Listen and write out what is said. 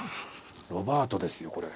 ロバートですよこれ。